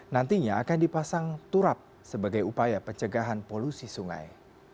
nantinya akan dipasang turap sebagai upaya pencegahan polusi sungai